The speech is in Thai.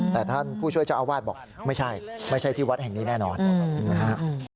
แต่ท่านผู้ช่วยเจ้าอาวาสบอกไม่ใช่ไม่ใช่ที่วัดแห่งนี้แน่นอนนะฮะ